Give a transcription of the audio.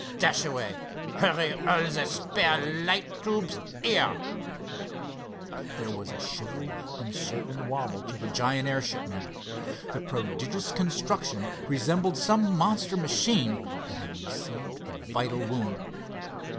Dashaway, hurry all the spare light tubes here." There was a shivery, uncertain wobble to the giant airship now. The prodigious construction resembled some monster machine that had received a vital wound.